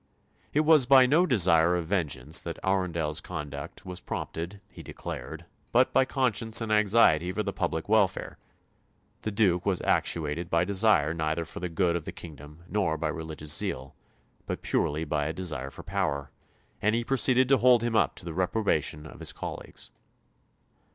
It was by no desire of vengeance that Arundel's conduct was prompted, he declared, but by conscience and anxiety for the public welfare; the Duke was actuated by a desire neither for the good of the kingdom nor by religious zeal, but purely by a desire for power, and he proceeded to hold him up to the reprobation of his colleagues.